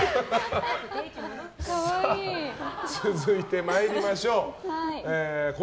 続いて参りましょう。